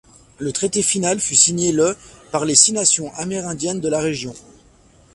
Le traité final fut signé le par les Six nations amérindiennes de la région.